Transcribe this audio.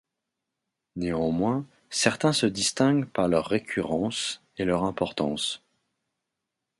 Néanmoins, certains se distinguent par leur récurrence et leur importance.